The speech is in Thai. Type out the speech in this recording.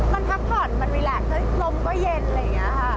มันพักผ่อนมันมีแหละลมก็เย็นอะไรอย่างนี้ค่ะ